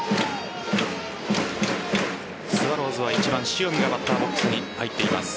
スワローズは１番・塩見がバッターボックスに入っています。